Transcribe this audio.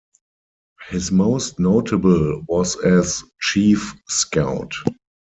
His most notable was as Chief Scout.